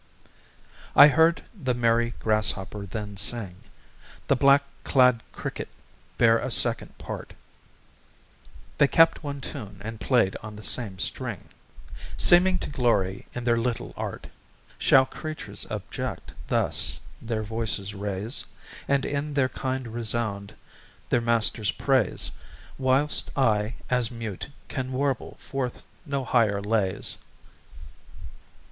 I heard the merry grasshopper then sing, The black clad cricket bear a second part, They kept one tune, and played on the same string, Seeming to glory in their little art. Shall creatures abject thus their voices raise? And in their kind resound their Master's praise: Whilst I, as mute, can warble forth no higher lays.